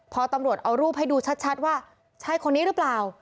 พอตำรวจเอารูปให้ดูชัดว่าใช่คนนี้หรือเปล่า